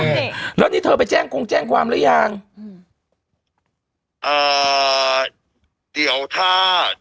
นี่แล้วนี่เธอไปแจ้งคงแจ้งความหรือยังอืมอ่าเดี๋ยวถ้า